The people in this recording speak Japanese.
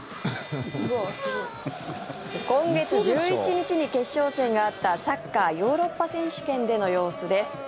今月１１日に決勝戦があったサッカーヨーロッパ選手権での様子です。